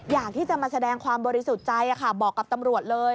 อยากที่จะมาแสดงความบริสุทธิ์ใจบอกกับตำรวจเลย